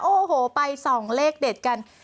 โอ้โหไปส่องเลขเด็ดกัน